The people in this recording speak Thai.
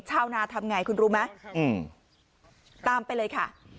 ชาวนาทำง่ายคนรู้ไหมอืมตามไปเลยค่ะ